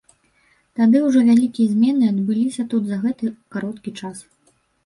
Тады ўжо вялікія змены адбыліся тут за гэты кароткі час.